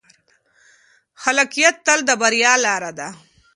خلاقیت تل د بریا لاره ده.